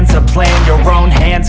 dia masih hidup